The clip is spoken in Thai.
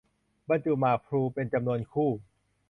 บรรจุหมากพลูเป็นจำนวนคู่